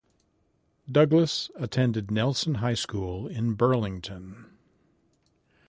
Douglas attended Nelson High School in Burlington.